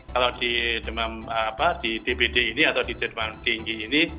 kalau di dbd ini atau di demam tinggi ini